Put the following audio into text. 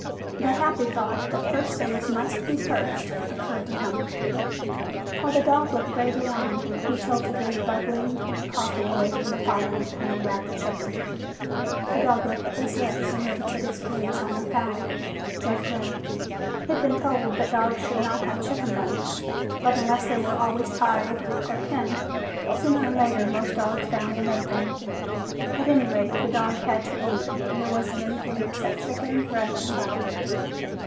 The happy thought that first things must be first occurred to him. While the dog looked gravely on, he tilted his bubbling coffee away from the fire and unwrapped the chicken. The dog licked his lips and riveted his gaze on the fowl. Jeff grinned. He'd been told that dogs should not have chicken bones. But unless they were always tied or penned, sooner or later most dogs found and ate them. At any rate, the dog had to eat and there wasn't anything except chicken, bread and butter.